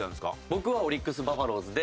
僕はオリックス・バファローズで。